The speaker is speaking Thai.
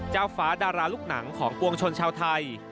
ฟ้าดาราลูกหนังของปวงชนชาวไทย